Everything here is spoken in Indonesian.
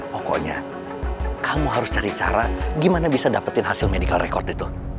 pokoknya kamu harus cari cara gimana bisa dapetin hasil medical record itu